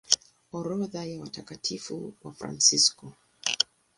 Orodha ya Watakatifu Wafransisko